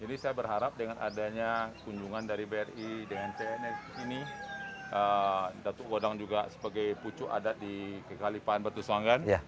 jadi saya berharap dengan adanya kunjungan dari bri dengan cns ini datuk wadang juga sebagai pucuk adat di kekalipaan batu soangan